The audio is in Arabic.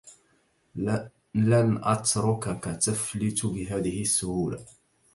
لن أتركك تفلت بهذه السهولة.